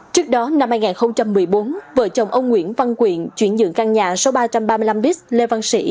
trước đó năm hai nghìn một mươi bốn vợ chồng ông nguyễn văn quyện chuyển nhượng căn nhà số ba trăm ba mươi năm b lê văn sĩ